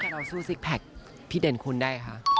เราสู้ซิกแพคพี่เด่นคุณได้คะ